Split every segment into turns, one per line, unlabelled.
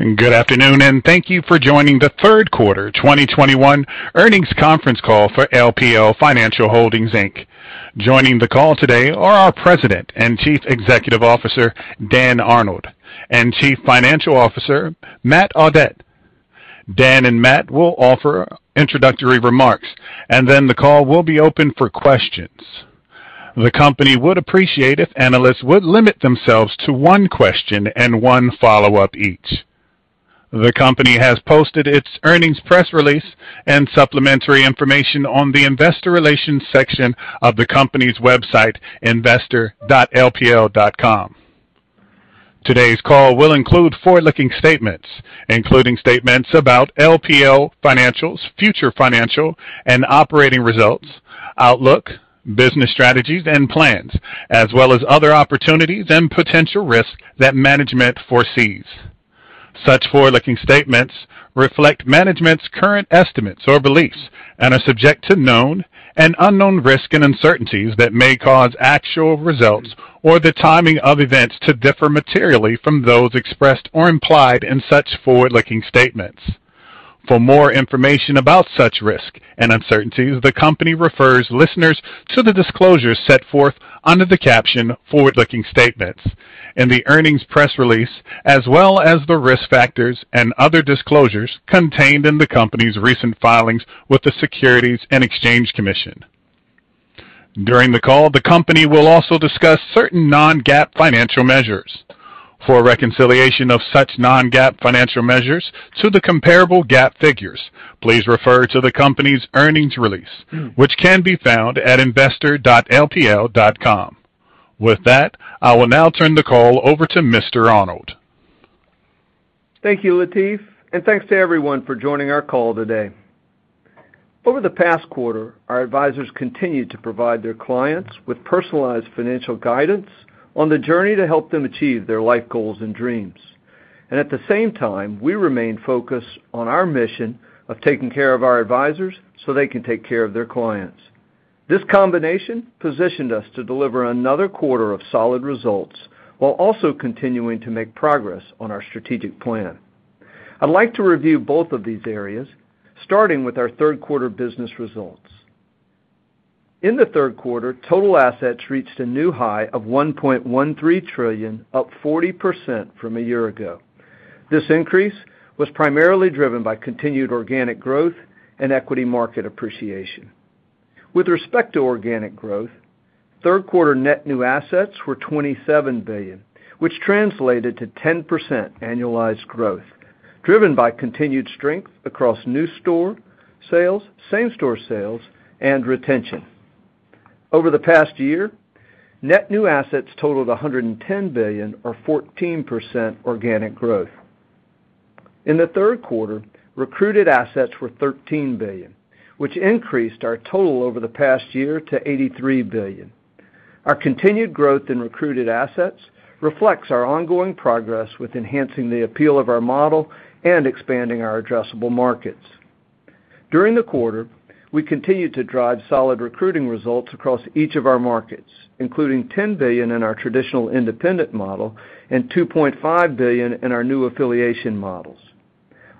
Good afternoon, and thank you for joining the Q3 2021 earnings Conference Call for LPL Financial Holdings, Inc. Joining the call today are our President and Chief Executive Officer, Dan Arnold, and Chief Financial Officer, Matt Audette. Dan and Matt will offer introductory remarks, and then the call will be open for questions. The company would appreciate if analysts would limit themselves to one question and one follow-up each. The company has posted its earnings press release and supplementary information on the investor relations section of the company's website, investor.lpl.com. Today's call will include forward-looking statements, including statements about LPL Financial's future financial and operating results, outlook, business strategies and plans, as well as other opportunities and potential risks that management foresees. Such forward-looking statements reflect management's current estimates or beliefs and are subject to known and unknown risks and uncertainties that may cause actual results or the timing of events to differ materially from those expressed or implied in such forward-looking statements. For more information about such risks and uncertainties, the company refers listeners to the disclosures set forth under the caption "Forward-Looking Statements" in the earnings press release, as well as the risk factors and other disclosures contained in the company's recent filings with the Securities and Exchange Commission. During the call, the company will also discuss certain non-GAAP financial measures. For a reconciliation of such non-GAAP financial measures to the comparable GAAP figures, please refer to the company's earnings release, which can be found at investor.lpl.com. With that, I will now turn the call over to Mr. Arnold.
Thank you, Lateef, and thanks to everyone for joining our call today. Over the past quarter, our advisors continued to provide their clients with personalized financial guidance on the journey to help them achieve their life goals and dreams. At the same time, we remain focused on our mission of taking care of our advisors so they can take care of their clients. This combination positioned us to deliver another quarter of solid results while also continuing to make progress on our strategic plan. I'd like to review both of these areas, starting with our Q3 business results. In the Q3, total assets reached a new high of $1.13 trillion, up 40% from a year ago. This increase was primarily driven by continued organic growth and equity market appreciation. With respect to organic growth, Q3 net new assets were $27 billion, which translated to 10% annualized growth, driven by continued strength across new store sales, same-store sales, and retention. Over the past year, net new assets totaled $110 billion or 14% organic growth. In the Q3, recruited assets were $13 billion, which increased our total over the past year to $83 billion. Our continued growth in recruited assets reflects our ongoing progress with enhancing the appeal of our model and expanding our addressable markets. During the quarter, we continued to drive solid recruiting results across each of our markets, including $10 billion in our traditional independent model and $2.5 billion in our new affiliation models.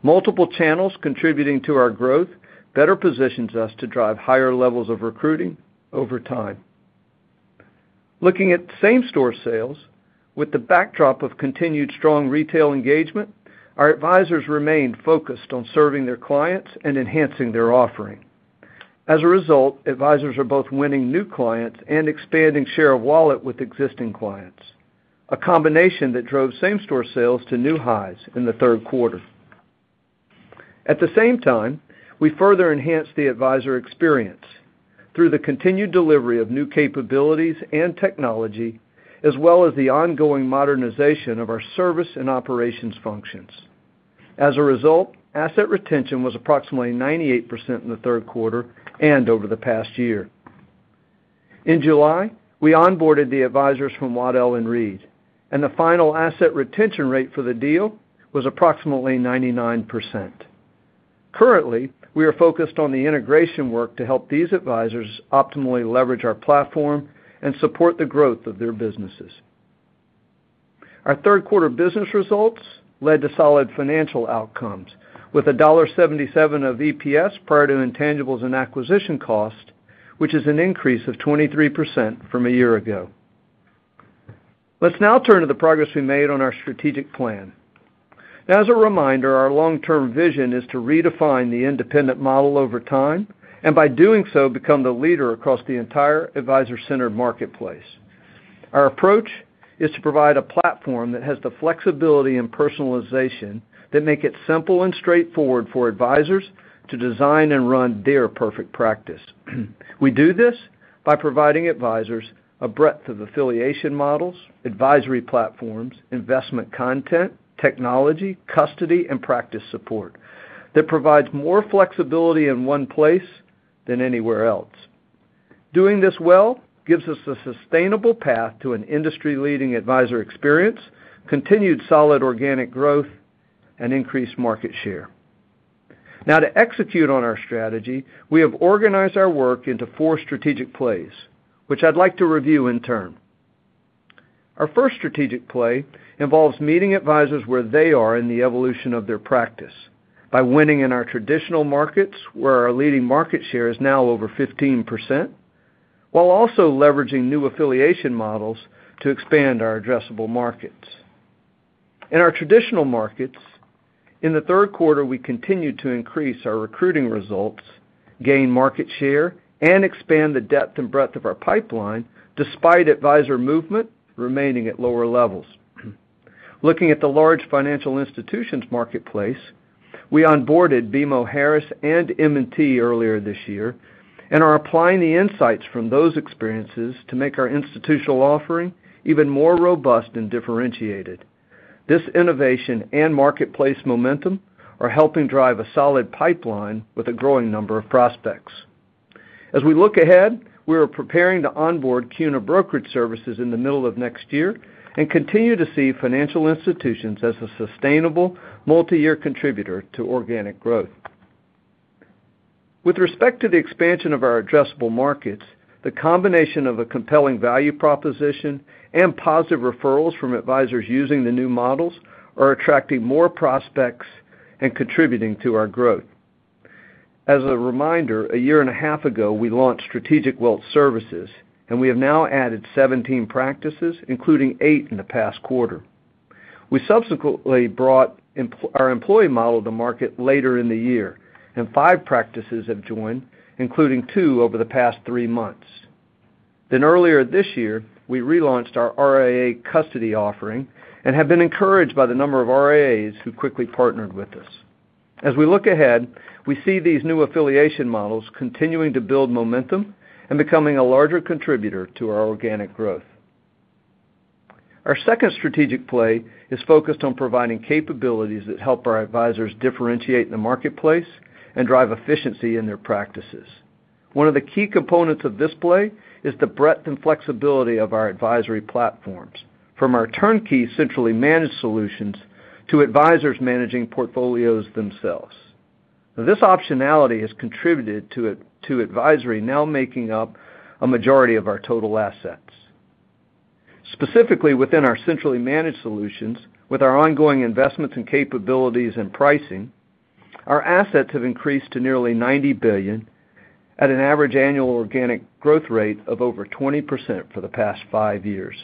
Multiple channels contributing to our growth better positions us to drive higher-levels of recruiting over time. Looking at same-store sales with the backdrop of continued strong retail engagement, our advisors remain focused on serving their clients and enhancing their offering. As a result, advisors are both winning new clients and expanding share of wallet with existing clients, a combination that drove same-store sales to new highs in the Q3. At the same time, we further enhanced the advisor experience through the continued delivery of new capabilities and technology, as well as the ongoing modernization of our service and operations functions. As a result, asset retention was approximately 98% in the Q3 and over the past year. In July, we onboarded the advisors from Waddell & Reed, and the final asset retention rate for the deal was approximately 99%. Currently, we are focused on the integration work to help these advisors optimally leverage our platform and support the growth of their businesses. Our Q3 business results led to solid financial outcomes with $1.77 of EPS prior to intangibles and acquisition cost, which is an increase of 23% from a year ago. Let's now turn to the progress we made on our strategic plan. As a reminder, our long-term vision is to redefine the independent model over time, and by doing so, become the leader across the entire advisor-centered marketplace. Our approach is to provide a platform that has the flexibility and personalization that make it simple and straightforward for advisors to design and run their perfect practice. We do this by providing advisors a breadth of affiliation models, advisory platforms, investment content, technology, custody, and practice support that provides more flexibility in one place than anywhere else. Doing this well gives us a sustainable path to an industry-leading advisor experience, continued solid organic growth, and increased market share. Now to execute on our strategy, we have organized our work into four strategic plays, which I'd like to review in turn. Our first strategic play involves meeting advisors where they are in the evolution of their practice by winning in our traditional markets, where our leading market share is now over 15%, while also leveraging new affiliation models to expand our addressable markets. In our traditional markets, in the Q3, we continued to increase our recruiting results, gain market share, and expand the depth and breadth of our pipeline despite advisor movement remaining at lower-levels. Looking at the large financial institutions marketplace, we onboarded BMO Harris and M&T earlier this year and are applying the insights from those experiences to make our institutional offering even more robust and differentiated. This innovation and marketplace momentum are helping drive a solid pipeline with a growing number of prospects. As we look ahead, we are preparing to onboard CUNA Brokerage Services in the middle of next year and continue to see financial institutions as a sustainable multi-year contributor to organic growth. With respect to the expansion of our addressable markets, the combination of a compelling value proposition and positive referrals from advisors using the new models are attracting more prospects and contributing to our growth. As a reminder, a year and a half ago, we launched Strategic Wealth Services, and we have now added 17 practices, including eight in the past quarter. We subsequently brought our employee model to market later in the year, and 5 practices have joined, including 2 over the past 3 months. Earlier this year, we relaunched our RIA custody offering and have been encouraged by the number of RIAs who quickly partnered with us. As we look ahead, we see these new affiliation models continuing to build momentum and becoming a larger contributor to our organic growth. Our second strategic play is focused on providing capabilities that help our advisors differentiate in the marketplace and drive efficiency in their practices. One of the key components of this play is the breadth and flexibility of our advisory platforms, from our turnkey centrally managed solutions to advisors managing portfolios themselves. This optionality has contributed to advisory now making up a majority of our total assets. Specifically, within our centrally managed solutions, with our ongoing investments and capabilities and pricing, our assets have increased to nearly $90 billion at an average annual organic growth rate of over 20% for the past five years.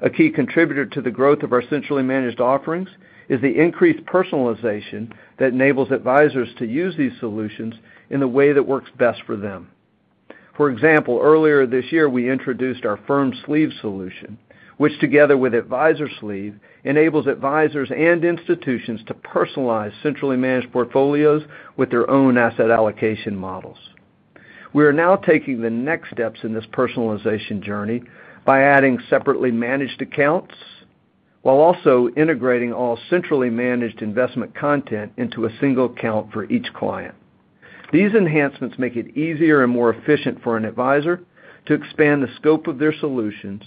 A key contributor to the growth of our centrally managed offerings is the increased personalization that enables advisors to use these solutions in a way that works best for them. For example, earlier this year, we introduced our Firm Sleeve solution, which together with Advisor Sleeve, enables advisors and institutions to personalize centrally managed portfolios with their own asset allocation models. We are now taking the next steps in this personalization journey by adding separately managed accounts while also integrating all centrally managed investment content into a single account for each client. These enhancements make it easier and more efficient for an advisor to expand the scope of their solutions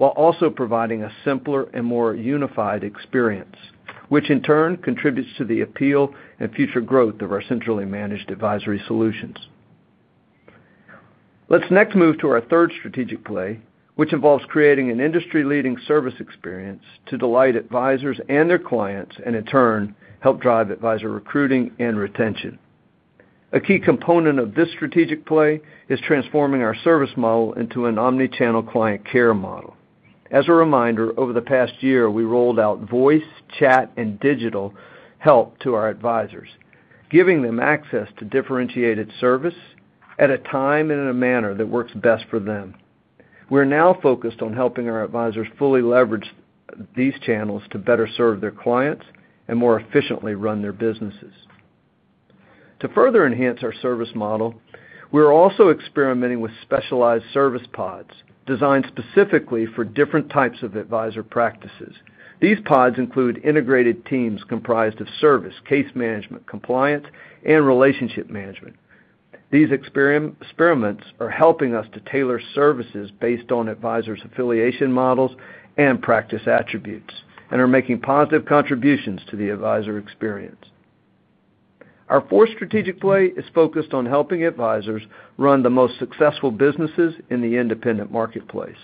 while also providing a simpler and more unified experience, which in turn contributes to the appeal and future growth of our centrally managed advisory solutions. Let's next move to our third strategic play, which involves creating an industry-leading service experience to delight advisors and their clients and in turn, help drive advisor recruiting and retention. A key component of this strategic play is transforming our service model into an omni-channel client care model. As a reminder, over the past year, we rolled out voice, chat, and digital help to our advisors, giving them access to differentiated service at a time and in a manner that works best for them. We're now focused on helping our advisors fully leverage these channels to better serve their clients and more efficiently run their businesses. To further enhance our service model, we're also experimenting with specialized service pods designed specifically for different types of advisor practices. These pods include integrated teams comprised of service, case management, compliance, and relationship management. These experiments are helping us to tailor services based on advisors' affiliation models and practice attributes and are making positive contributions to the advisor experience. Our fourth strategic play is focused on helping advisors run the most successful businesses in the independent marketplace.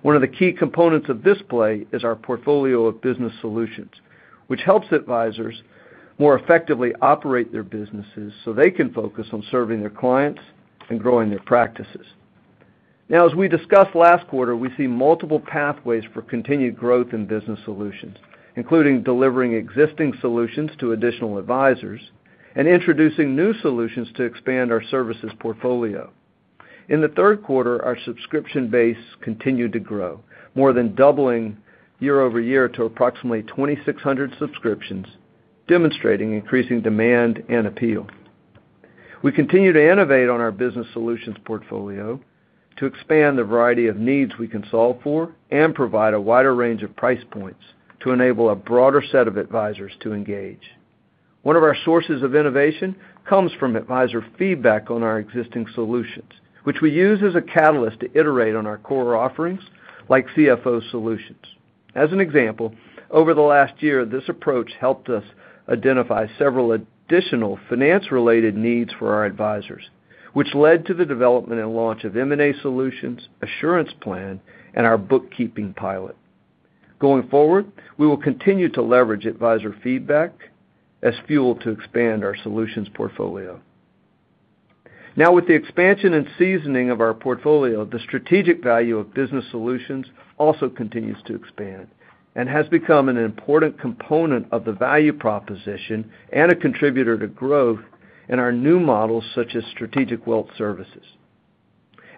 One of the key components of this play is our portfolio of business solutions, which helps advisors more effectively operate their businesses so they can focus on serving their clients and growing their practices. Now as we discussed last quarter, we see multiple pathways for continued growth in business solutions, including delivering existing solutions to additional advisors and introducing new solutions to expand our services portfolio. In the Q3, our subscription base continued to grow, more than doubling year-over-year to approximately 2,600 subscriptions, demonstrating increasing demand and appeal. We continue to innovate on our business solutions portfolio to expand the variety of needs we can solve for and provide a wider range of price points to enable a broader set of advisors to engage. One of our sources of innovation comes from advisor feedback on our existing solutions, which we use as a catalyst to iterate on our core offerings like CFO Solutions. As an example, over the last year, this approach helped us identify several additional finance-related needs for our advisors, which led to the development and launch of M&A Solutions Assurance Plan and our bookkeeping pilot. Going forward, we will continue to leverage advisor feedback as fuel to expand our solutions portfolio. Now, with the expansion and seasoning of our portfolio, the strategic value of business solutions also continues to expand and has become an important component of the value proposition and a contributor to growth in our new models, such as Strategic Wealth Services.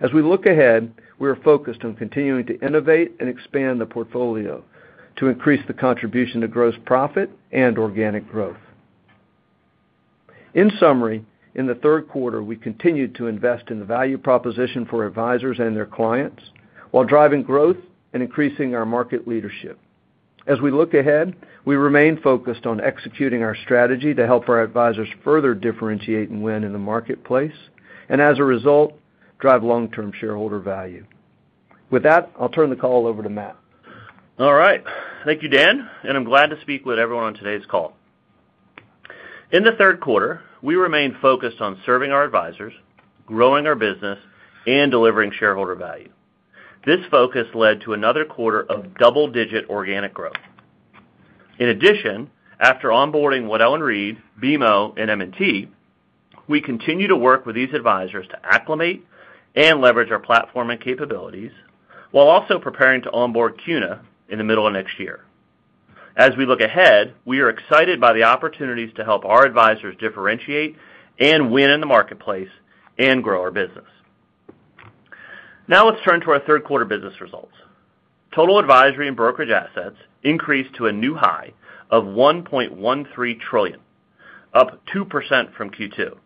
As we look ahead, we are focused on continuing to innovate and expand the portfolio to increase the contribution to gross profit and organic growth. In summary, in the Q3, we continued to invest in the value proposition for advisors and their clients while driving growth and increasing our market leadership. As we look ahead, we remain focused on executing our strategy to help our advisors further differentiate and win in the marketplace, and as a result, drive long-term shareholder value. With that, I'll turn the call over to Matt.
All right. Thank you, Dan, and I'm glad to speak with everyone on today's call. In the Q3, we remained focused on serving our advisors, growing our business, and delivering shareholder value. This focus led to another quarter of double-digit organic growth. In addition, after onboarding Waddell & Reed, BMO, and M&T, we continue to work with these advisors to acclimate and leverage our platform and capabilities while also preparing to onboard CUNA in the middle of next year. As we look ahead, we are excited by the opportunities to help our advisors differentiate and win in the marketplace and grow our business. Now let's turn to our Q3 business results. Total advisory and brokerage assets increased to a new high of $1.13 trillion, up 2% from Q2.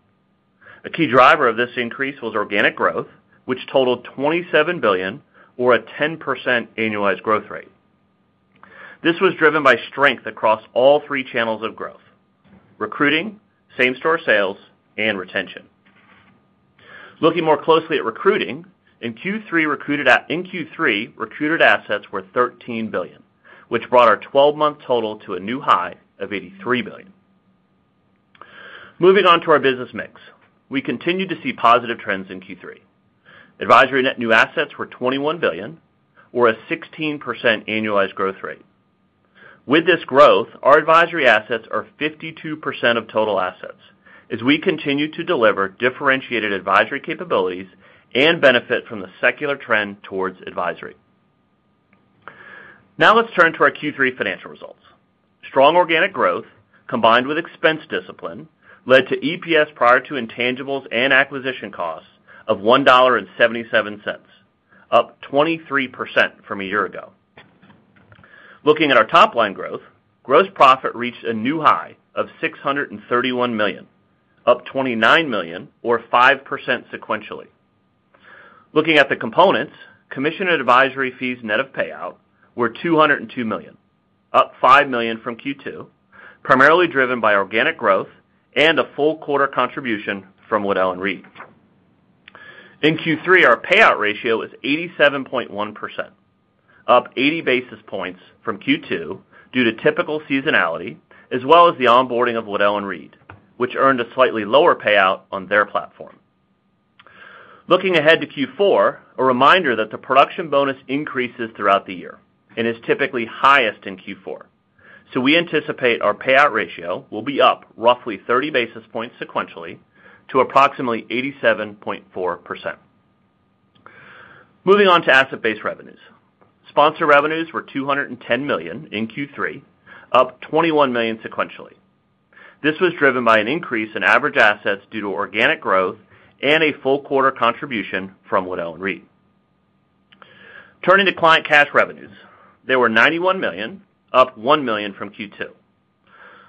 A key driver of this increase was organic growth, which totaled $27 billion or a 10% annualized growth rate. This was driven by strength across all three channels of growth, recruiting, same-store sales, and retention. Looking more closely at recruiting, in Q3, recruited assets were $13 billion, which brought our 12-month total to a new high of $83 billion. Moving on to our business mix. We continued to see positive trends in Q3. Advisory net new assets were $21 billion or a 16% annualized growth rate. With this growth, our advisory assets are 52% of total assets as we continue to deliver differentiated advisory capabilities and benefit from the secular trend towards advisory. Now let's turn to our Q3 financial results. Strong organic growth combined with expense discipline led to EPS prior to intangibles and acquisition costs of $1.77, up 23% from a year ago. Looking at our top-line growth, gross profit reached a new high of $631 million, up $29 million or 5% sequentially. Looking at the components, commission and advisory fees net of payout were $202 million, up $5 million from Q2, primarily driven by organic growth and a full quarter contribution from Waddell & Reed. In Q3, our payout ratio is 87.1%, up 80 basis points from Q2 due to typical seasonality, as well as the onboarding of Waddell & Reed, which earned a slightly lower payout on their platform. Looking ahead to Q4, a reminder that the production bonus increases throughout the year and is typically highest in Q4. We anticipate our payout ratio will be up roughly 30 basis points sequentially to approximately 87.4%. Moving on to asset-based revenues. Sponsor revenues were $210 million in Q3, up $21 million sequentially. This was driven by an increase in average assets due to organic growth and a full quarter contribution from Waddell & Reed. Turning to client cash revenues, they were $91 million, up $1 million from Q2.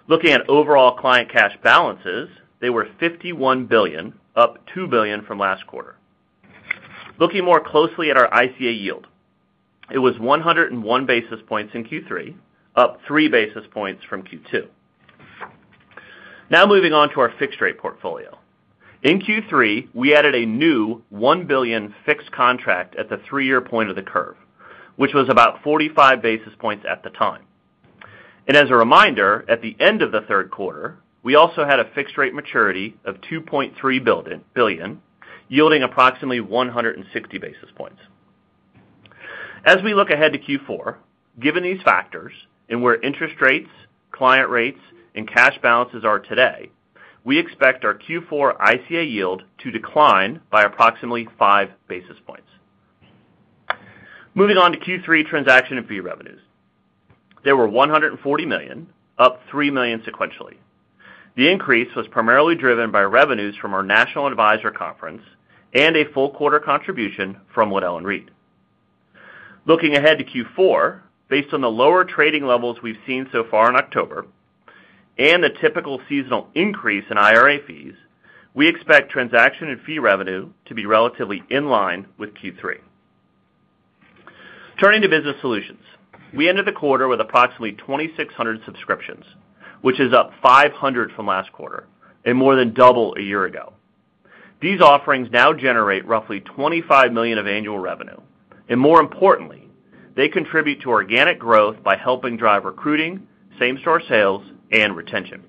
Looking at overall client cash balances, they were $51 billion, up $2 billion from last quarter. Looking more closely at our ICA yield, it was 101 basis points in Q3, up 3 basis points from Q2. Now moving on to our fixed rate portfolio. In Q3, we added a new $1 billion fixed contract at the three-year point of the curve, which was about 45 basis points at the time. As a reminder, at the end of the Q3, we also had a fixed rate maturity of $2.3 billion, yielding approximately 160 basis points. As we look ahead to Q4, given these factors and where interest rates, client rates, and cash balances are today, we expect our Q4 ICA yield to decline by approximately 5 basis points. Moving on to Q3 transaction and fee revenues. They were $140 million, up $3 million sequentially. The increase was primarily driven by revenues from our National Advisor Conference and a full quarter contribution from Waddell & Reed. Looking ahead to Q4, based on the lower trading levels we've seen so far in October and the typical seasonal increase in IRA fees, we expect transaction and fee revenue to be relatively in line with Q3. Turning to business solutions. We ended the quarter with approximately 2,600 subscriptions, which is up 500 from last quarter and more than double a year ago. These offerings now generate roughly $25 million of annual revenue. More importantly, they contribute to organic growth by helping drive recruiting, same-store sales, and retention.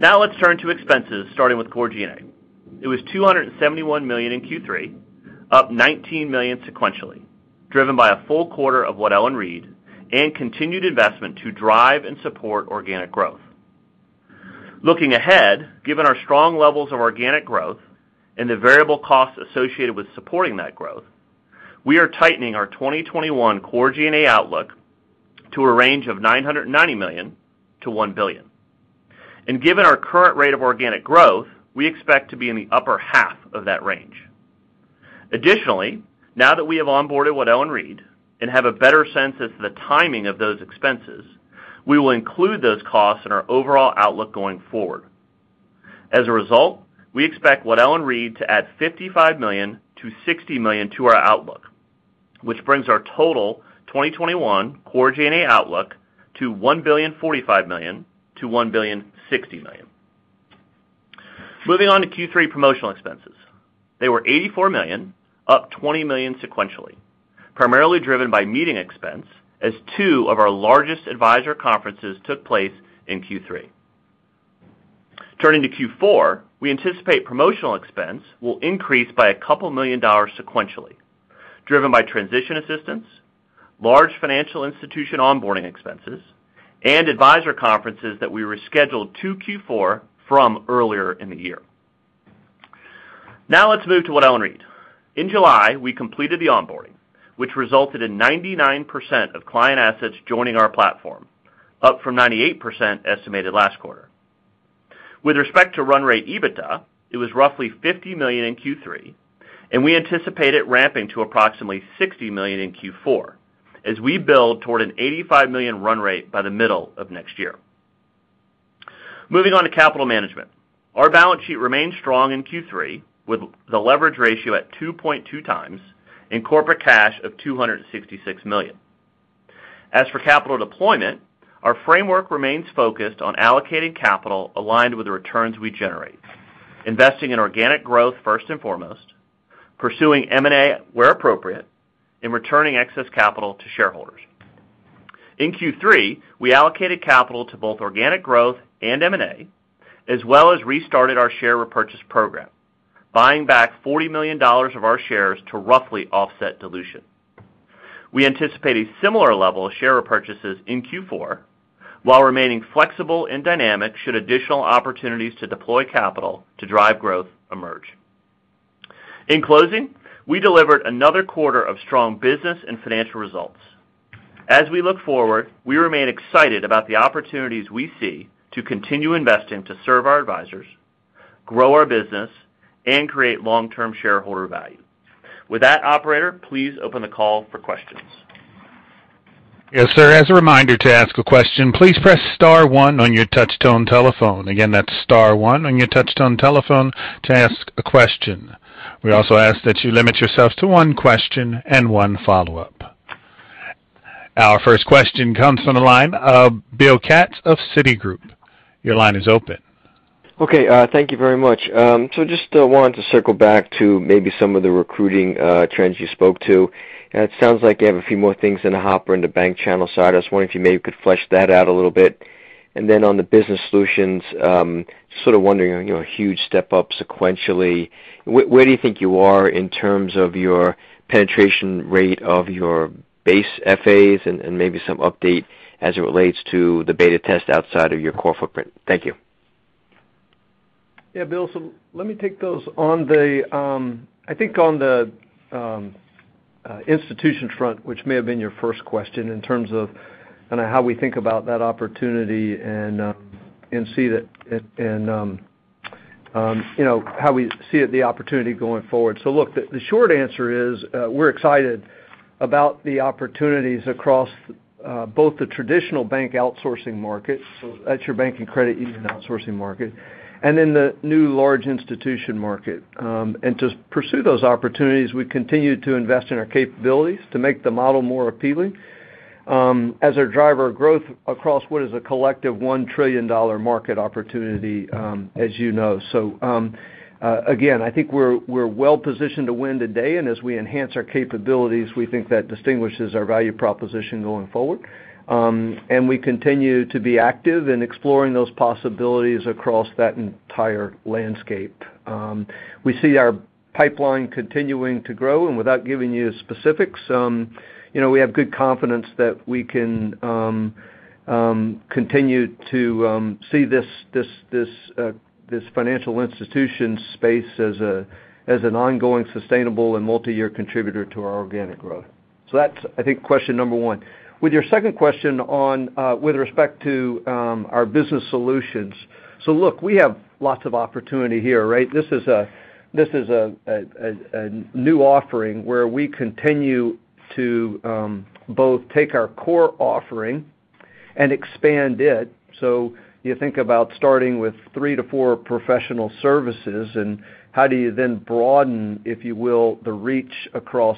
Now let's turn to expenses, starting with Core G&A. It was $271 million in Q3, up $19 million sequentially, driven by a full quarter of Waddell & Reed and continued investment to drive and support organic growth. Looking ahead, given our strong levels of organic growth and the variable costs associated with supporting that growth, we are tightening our 2021 Core G&A outlook to a range of $990 million-$1 billion. Given our current rate of organic growth, we expect to be in the upper half of that range. Additionally, now that we have onboarded Waddell & Reed and have a better sense of the timing of those expenses, we will include those costs in our overall outlook going forward. As a result, we expect Waddell & Reed to add $55 million-$60 million to our outlook, which brings our total 2021 Core G&A outlook to $1.045 billion-$1.06 billion. Moving on to Q3 promotional expenses. They were $84 million, up $20 million sequentially, primarily driven by meeting expense as two of our largest advisor conferences took place in Q3. Turning to Q4, we anticipate promotional expense will increase by a couple $ million sequentially, driven by transition assistance, large financial institution onboarding expenses, and advisor conferences that we rescheduled to Q4 from earlier in the year. Now let's move to Waddell & Reed. In July, we completed the onboarding, which resulted in 99% of client assets joining our platform, up from 98% estimated last quarter. With respect to run rate EBITDA, it was roughly $50 million in Q3, and we anticipate it ramping to approximately $60 million in Q4 as we build toward an $85 million run rate by the middle of next year. Moving on to capital management. Our balance sheet remained strong in Q3, with the leverage ratio at 2.2 times and corporate cash of $266 million. As for capital deployment, our framework remains focused on allocating capital aligned with the returns we generate, investing in organic growth first and foremost, pursuing M&A where appropriate, and returning excess capital to shareholders. In Q3, we allocated capital to both organic growth and M&A, as well as restarted our share repurchase program, buying back $40 million of our shares to roughly offset dilution. We anticipate a similar level of share repurchases in Q4 while remaining flexible and dynamic should additional opportunities to deploy capital to drive growth emerge. In closing, we delivered another quarter of strong business and financial results. As we look forward, we remain excited about the opportunities we see to continue investing to serve our advisors, grow our business, and create long-term shareholder value. With that, operator, please open the call for questions.
Yes, sir. As a reminder to ask a question, please press star one on your touch-tone telephone. Again, that's star one on your touch-tone telephone to ask a question. We also ask that you limit yourself to one question and one follow-up. Our first question comes from the line of Bill Katz of Citigroup. Your line is open.
Okay, thank you very much. So just wanted to circle back to maybe some of the recruiting trends you spoke to. It sounds like you have a few more things in the hopper in the bank channel side. I was wondering if you maybe could flesh that out a little bit. Then on the business solutions, sort of wondering, you know, huge step up sequentially. Where do you think you are in terms of your penetration rate of your base FAs and maybe some update as it relates to the beta test outside of your core footprint? Thank you.
Yeah, Bill, let me take those on the institution front, which may have been your first question in terms of kinda how we think about that opportunity and see that, you know, how we see the opportunity going forward. Look, the short answer is, we're excited about the opportunities across both the traditional bank outsourcing market, so that's your bank and credit union outsourcing market, and then the new large institution market. And to pursue those opportunities, we continue to invest in our capabilities to make the model more appealing, as our driver of growth across what is a collective $1 trillion market opportunity, as you know. Again, I think we're well-positioned to win today, and as we enhance our capabilities, we think that distinguishes our value proposition going forward. We continue to be active in exploring those possibilities across that entire landscape. We see our pipeline continuing to grow, and without giving you specifics, you know, we have good confidence that we can continue to see this financial institution space as an ongoing, sustainable, and multiyear contributor to our organic growth. That's, I think, question number one. With your second question on with respect to our business solutions. Look, we have lots of opportunity here, right? This is a new offering where we continue to both take our core offering and expand it. You think about starting with 3-4 professional services and how do you then broaden, if you will, the reach across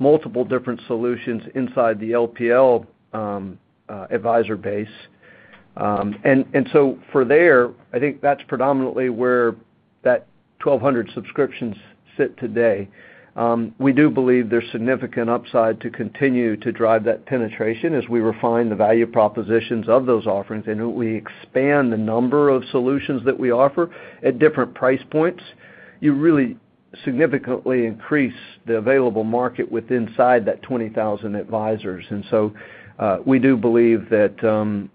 multiple different solutions inside the LPL advisor base. I think that's predominantly where that 1,200 subscriptions sit today. We do believe there's significant upside to continue to drive that penetration as we refine the value propositions of those offerings, and we expand the number of solutions that we offer at different price points. You really significantly increase the available market within that 20,000 advisors. We do believe that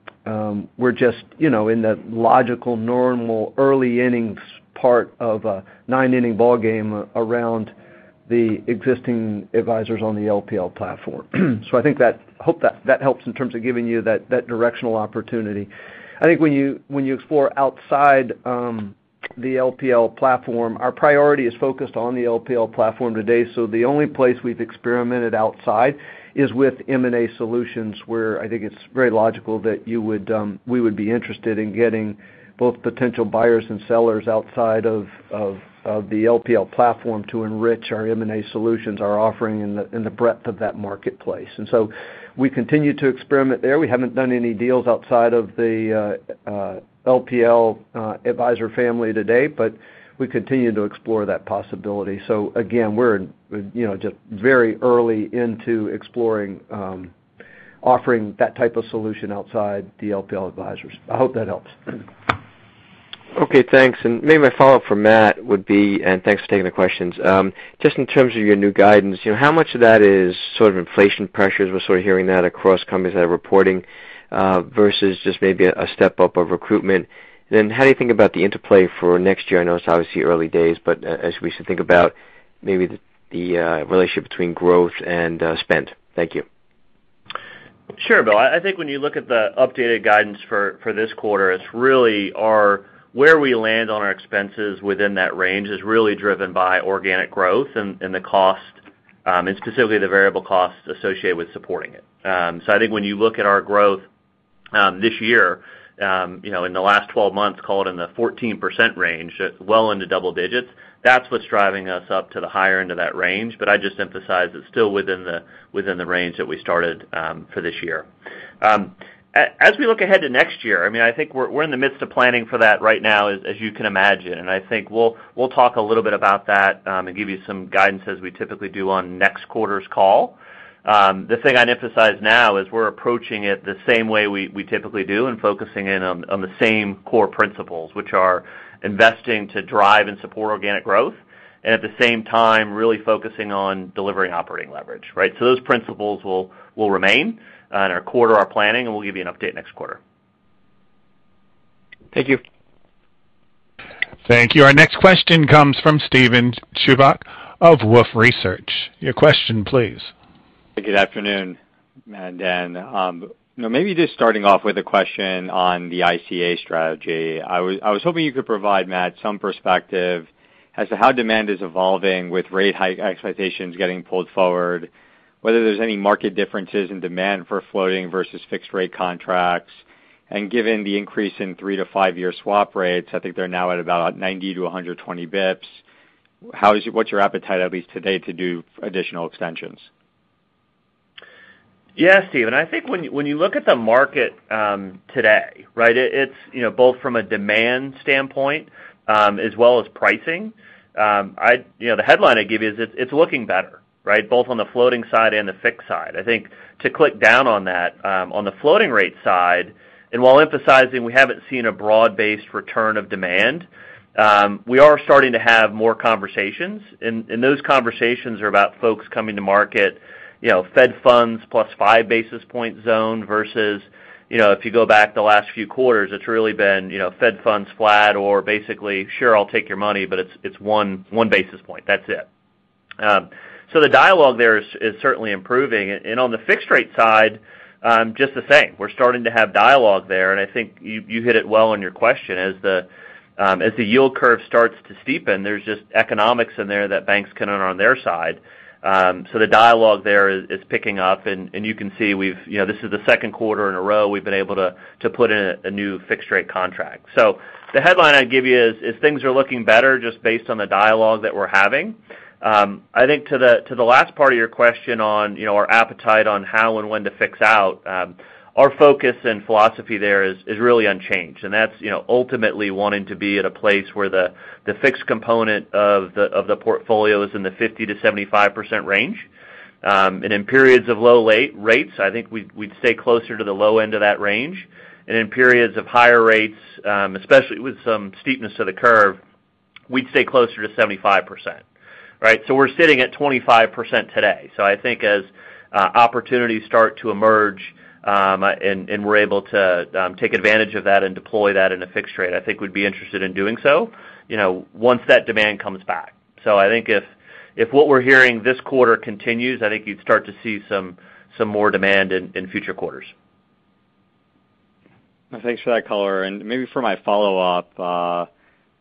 we're just, you know, in the logical, normal, early innings part of a nine-inning ballgame around the existing advisors on the LPL platform. I think that I hope that helps in terms of giving you that directional opportunity. I think when you explore outside the LPL platform, our priority is focused on the LPL platform today. The only place we've experimented outside is with M&A Solutions, where I think it's very logical that you would, we would be interested in getting both potential buyers and sellers outside of the LPL platform to enrich our M&A Solutions, our offering in the breadth of that marketplace. We continue to experiment there. We haven't done any deals outside of the LPL advisor family to date, but we continue to explore that possibility. Again, we're just very early into exploring offering that type of solution outside the LPL advisors. I hope that helps.
Okay, thanks. Maybe my follow-up for Matt would be, and thanks for taking the questions. Just in terms of your new guidance, you know, how much of that is sort of inflation pressures? We're sort of hearing that across companies that are reporting, versus just maybe a step up of recruitment. How do you think about the interplay for next year? I know it's obviously early days, but as we should think about maybe the relationship between growth and spend. Thank you.
Sure, Bill. I think when you look at the updated guidance for this quarter, it's really where we land on our expenses within that range is really driven by organic growth and the cost and specifically the variable costs associated with supporting it. So I think when you look at our growth this year, you know, in the last 12 months, call it in the 14% range, well into double-digits. That's what's driving us up to the higher-end of that range. I just emphasize it's still within the range that we started for this year. As we look ahead to next year, I mean, I think we're in the midst of planning for that right now, as you can imagine. I think we'll talk a little bit about that and give you some guidance as we typically do on next quarter's call. The thing I'd emphasize now is we're approaching it the same way we typically do and focusing in on the same core principles, which are investing to drive and support organic growth and at the same time, really focusing on delivering operating leverage, right? Those principles will remain in our quarterly planning, and we'll give you an update next quarter.
Thank you.
Thank you. Our next question comes from Steven Chubak of Wolfe Research. Your question, please.
Good afternoon, Matt and Dan. Maybe just starting off with a question on the ICA strategy. I was hoping you could provide, Matt, some perspective as to how demand is evolving with rate hike expectations getting pulled forward, whether there's any marked differences in demand for floating versus fixed rate contracts, and given the increase in 3- to 5-year swap rates, I think they're now at about 90-120 basis points. What's your appetite, at least to date, to do additional extensions?
Yeah, Steven, I think when you look at the market today, right, it's, you know, both from a demand standpoint as well as pricing. You know, the headline I'd give you is it's looking better, right? Both on the floating side and the fixed side. I think to drill down on that, on the floating rate side, while emphasizing we haven't seen a broad-based return of demand, we are starting to have more conversations. Those conversations are about folks coming to market, you know, Fed Funds plus five basis points versus, you know, if you go back the last few quarters, it's really been, you know, Fed Funds flat or basically, sure, I'll take your money, but it's one basis point. That's it. The dialogue there is certainly improving. On the fixed rate side, just the same. We're starting to have dialogue there. I think you hit it well on your question. As the yield curve starts to steepen, there's just economics in there that banks can own on their side. The dialogue there is picking up. You can see we've, you know, this is the Q2 in a row we've been able to to put in a new fixed rate contract. The headline I'd give you is things are looking better just based on the dialogue that we're having. I think to the last part of your question on, you know, our appetite on how and when to fix out, our focus and philosophy there is really unchanged. That's, you know, ultimately wanting to be at a place where the fixed component of the portfolio is in the 50%-75% range. In periods of low rates, I think we'd stay closer to the low-end of that range. In periods of higher rates, especially with some steepness of the curve, we'd stay closer to 75%, right? We're sitting at 25% today. I think as opportunities start to emerge, and we're able to take advantage of that and deploy that in a fixed rate, I think we'd be interested in doing so, you know, once that demand comes back. I think if what we're hearing this quarter continues, I think you'd start to see some more demand in future quarters.
Thanks for that color. Maybe for my follow-up,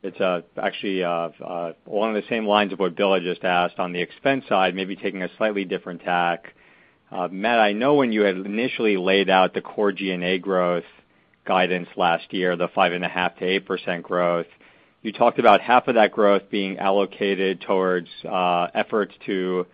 it's actually along the same lines of what Bill had just asked on the expense side, maybe taking a slightly different tack. Matt, I know when you had initially laid out the core G&A growth guidance last year, the 5.5%-8% growth. You talked about half of that growth being allocated towards efforts to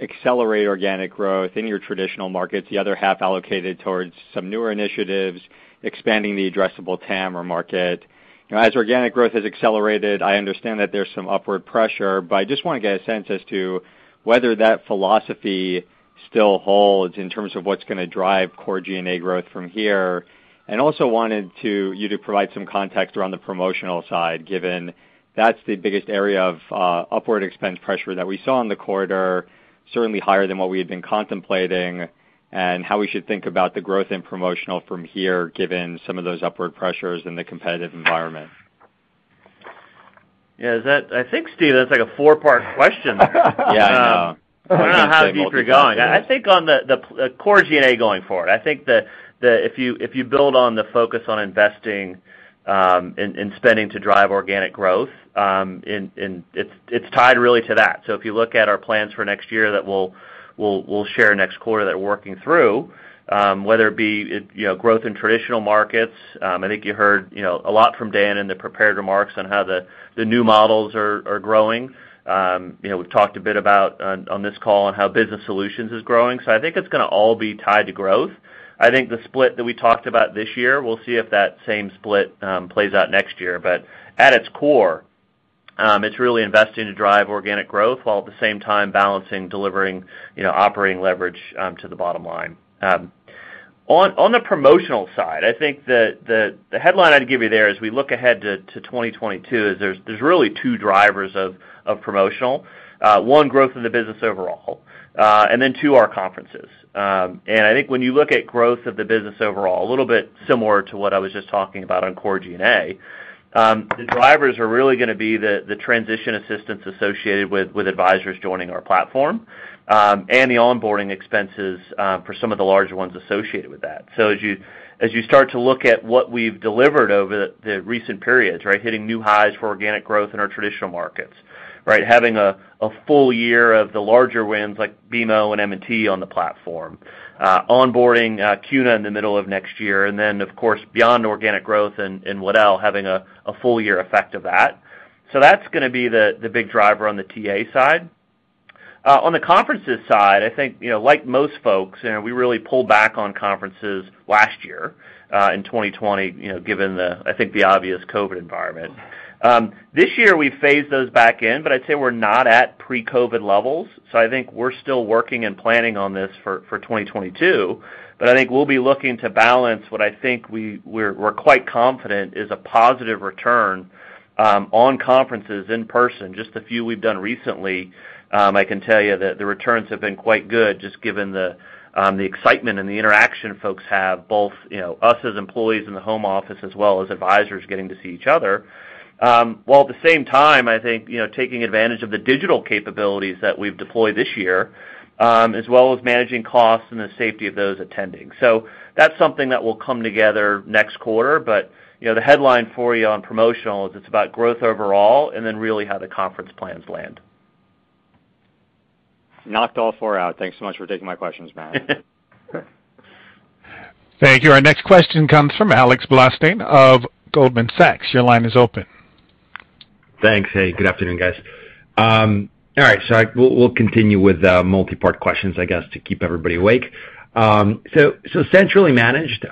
accelerate organic growth in your traditional markets, the other half allocated towards some newer initiatives, expanding the addressable TAM or market. You know, as organic growth has accelerated, I understand that there's some upward pressure, but I just wanna get a sense as to whether that philosophy still holds in terms of what's gonna drive core G&A growth from here. Also wanted you to provide some context around the promotional side, given that's the biggest area of upward expense pressure that we saw in the quarter, certainly higher than what we had been contemplating, and how we should think about the growth in promotional from here, given some of those upward pressures in the competitive environment.
Yeah, I think, Steve, that's like a four-part question.
Yeah, I know.
I don't know how deep you're going. I think on the Core G&A going forward, I think that if you build on the focus on investing in spending to drive organic growth, and it's tied really to that. If you look at our plans for next year that we'll share next quarter that we're working through, whether it be you know growth in traditional markets, I think you heard you know a lot from Dan in the prepared remarks on how the new models are growing. You know we've talked a bit about on this call on how business solutions is growing. I think it's gonna all be tied to growth. I think the split that we talked about this year, we'll see if that same split plays out next year. At its core, it's really investing to drive organic growth while at the same time balancing delivering, you know, operating leverage to the bottom-line. On the promotional side, I think the headline I'd give you there as we look ahead to 2022 is there's really two drivers of promotional. One, growth of the business overall, and then two, our conferences. I think when you look at growth of the business overall, a little bit similar to what I was just talking about on Core G&A, the drivers are really gonna be the transition assistance associated with advisors joining our platform, and the onboarding expenses for some of the larger ones associated with that. As you start to look at what we've delivered over the recent periods, right? Hitting new highs for organic growth in our traditional markets, right? Having a full-year of the larger wins like BMO and M&T on the platform. Onboarding CUNA in the middle of next year. Of course, beyond organic growth and Waddell having a full-year effect of that. That's gonna be the big driver on the TA side. On the conferences side, I think, you know, like most folks, you know, we really pulled back on conferences last year in 2020, you know, given the, I think the obvious COVID environment. This year we've phased those back in, but I'd say we're not at pre-COVID levels. I think we're still working and planning on this for 2022, but I think we'll be looking to balance what I think we're quite confident is a positive return on conferences in person. Just the few we've done recently, I can tell you that the returns have been quite good, just given the the excitement and the interaction folks have, both, you know, us as employees in the home office as well as advisors getting to see each other. While at the same time, I think, you know, taking advantage of the digital capabilities that we've deployed this year, as well as managing costs and the safety of those attending. That's something that will come together next quarter. You know, the headline for you on promotional is it's about growth overall, and then really how the conference plans land.
Knocked all four out. Thanks so much for taking my questions, Matt.
Thank you. Our next question comes from Alex Blostein of Goldman Sachs. Your line is open.
Thanks. Hey, good afternoon, guys. All right. We'll continue with multi-part questions, I guess, to keep everybody awake. Centrally managed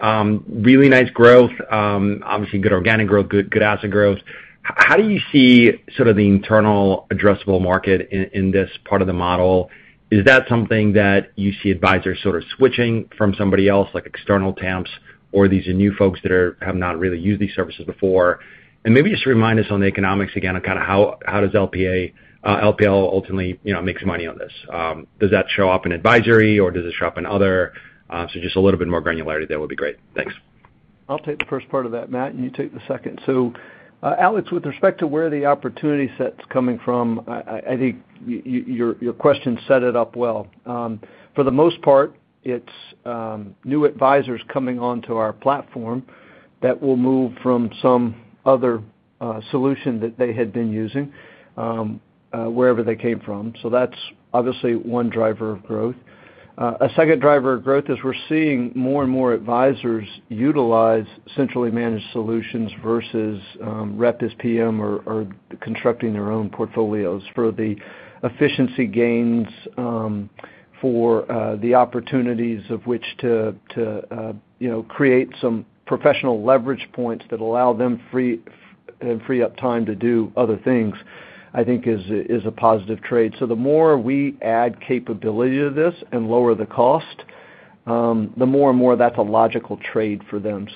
really nice growth, obviously good organic growth, good asset growth. How do you see sort of the internal addressable market in this part of the model? Is that something that you see advisors sort of switching from somebody else, like external TAMPs, or these are new folks that have not really used these services before? Maybe just remind us on the economics again of kinda how LPL ultimately, you know, makes money on this. Does that show up in advisory or does it show up in other? Just a little bit more granularity there would be great. Thanks.
I'll take the first part of that, Matt, and you take the second. Alex, with respect to where the opportunity set's coming from, I think your question set it up well. For the most part, it's new advisors coming onto our platform that will move from some other solution that they had been using, wherever they came from. That's obviously one driver of growth. A second driver of growth is we're seeing more and more advisors utilize centrally managed solutions versus rep as PM or constructing their own portfolios for the efficiency gains, for the opportunities of which to you know, create some professional leverage points that allow them free up time to do other things, I think is a positive trade. The more we add capability to this and lower the cost, the more and more that's a logical trade for them.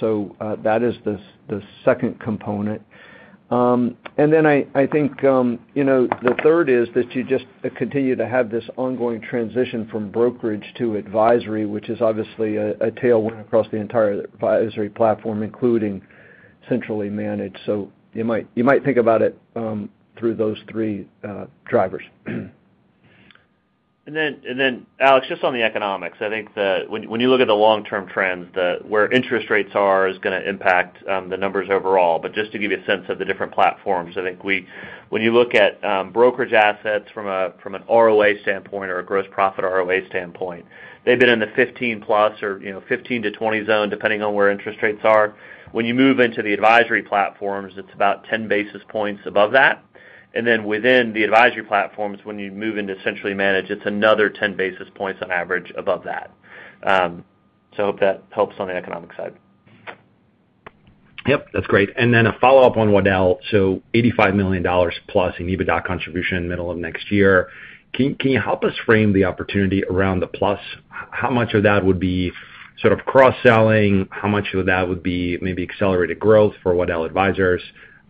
That is the second component. I think, you know, the third is that you just continue to have this ongoing transition from brokerage to advisory, which is obviously a tailwind across the entire advisory platform, including centrally managed. You might think about it through those three drivers. Then, Alex, just on the economics. I think when you look at the long-term trends, where interest rates are is gonna impact the numbers overall.
Just to give you a sense of the different platforms, I think when you look at brokerage assets from an ROA standpoint or a gross profit ROA standpoint, they've been in the 15+ or, you know, 15-20 zone, depending on where interest rates are. When you move into the advisory platforms, it's about 10 basis points above that. Then within the advisory platforms, when you move into centrally managed, it's another 10 basis points on average above that. I hope that helps on the economic side.
Yep, that's great. A follow-up on Waddell. $85 million plus in EBITDA contribution middle of next year. Can you help us frame the opportunity around the plus? How much of that would be sort of cross-selling? How much of that would be maybe accelerated growth for Waddell advisors?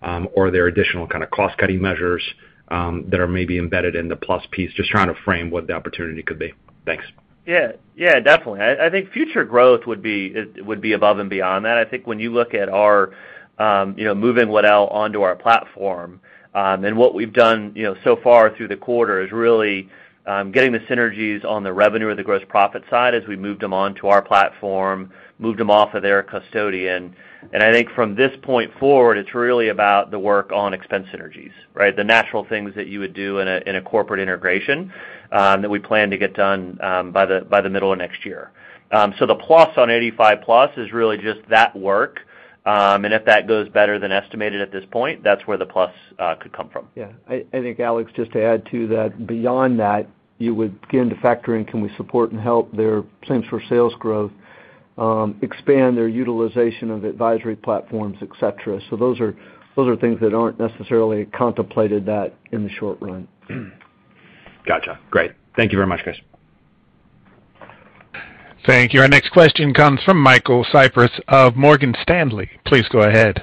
Or are there additional kind of cost-cutting measures that are maybe embedded in the plus piece? Just trying to frame what the opportunity could be. Thanks.
Yeah. Yeah, definitely. I think future growth would be above and beyond that. I think when you look at our you know moving Waddell onto our platform and what we've done you know so far through the quarter is really getting the synergies on the revenue or the gross profit side as we moved them onto our platform moved them off of their custodian. I think from this point forward, it's really about the work on expense synergies, right? The natural things that you would do in a corporate integration that we plan to get done by the middle of next year. The plus on 85+ is really just that work. If that goes better than estimated at this point, that's where the plus could come from.
Yeah. I think, Alex, just to add to that, beyond that, you would begin to factor in, can we support and help their plans for sales growth, expand their utilization of advisory platforms, et cetera. Those are things that aren't necessarily contemplated in the short-run.
Gotcha. Great. Thank you very much, guys.
Thank you. Our next question comes from Michael Cyprys of Morgan Stanley. Please go ahead.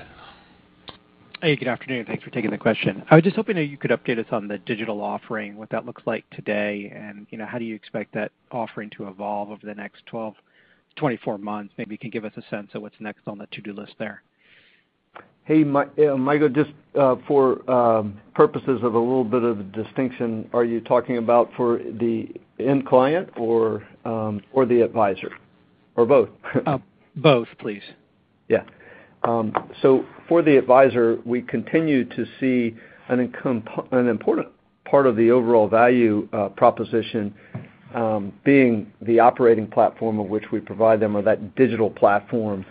Hey, good afternoon. Thanks for taking the question. I was just hoping that you could update us on the digital offering, what that looks like today, and, you know, how do you expect that offering to evolve over the next 12, 24 months? Maybe you can give us a sense of what's next on the to-do list there.
Hey, Michael, just for purposes of a little bit of distinction, are you talking about for the end client or the advisor, or both?
Both, please.
For the advisor, we continue to see an important part of the overall value proposition being the operating platform of which we provide them or that digital platform.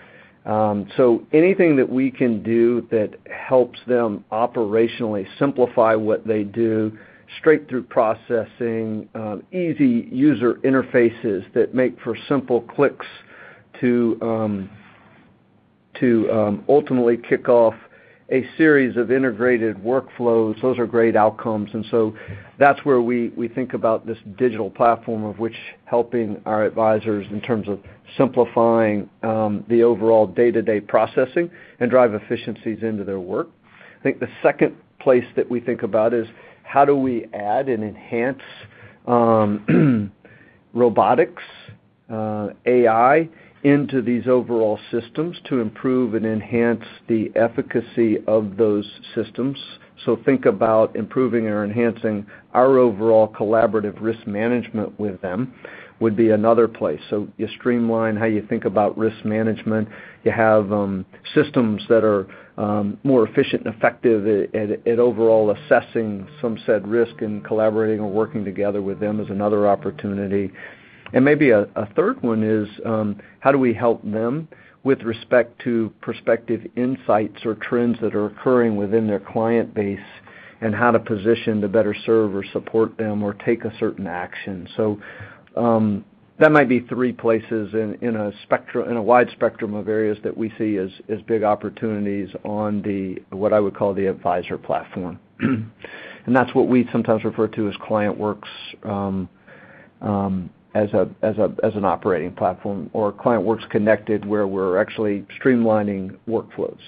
Anything that we can do that helps them operationally simplify what they do, straight through processing, easy user interfaces that make for simple clicks to ultimately kick off a series of integrated workflows, those are great outcomes. That's where we think about this digital platform of which helping our advisors in terms of simplifying the overall day-to-day processing and drive efficiencies into their work. I think the second place that we think about is how do we add and enhance robotics, AI into these overall systems to improve and enhance the efficacy of those systems. Think about improving or enhancing our overall collaborative risk management with them would be another place. You streamline how you think about risk management. You have systems that are more efficient and effective at overall assessing aforementioned risk and collaborating or working together with them is another opportunity. Maybe a third one is how do we help them with respect to prospective insights or trends that are occurring within their client base and how to position to better serve or support them or take a certain action. That might be three places in a wide spectrum of areas that we see as big opportunities on the what I would call the advisor platform. That's what we sometimes refer to as ClientWorks, as an operating platform, or ClientWorks Connected, where we're actually streamlining workflows.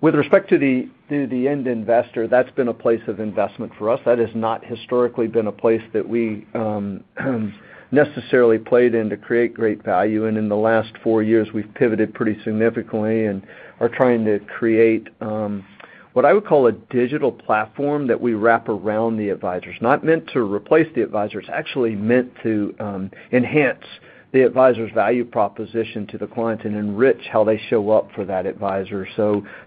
With respect to the end investor, that's been a place of investment for us. That has not historically been a place that we necessarily played in to create great value. In the last four years, we've pivoted pretty significantly and are trying to create what I would call a digital platform that we wrap around the advisors, not meant to replace the advisors, actually meant to enhance the advisor's value proposition to the client and enrich how they show up for that advisor.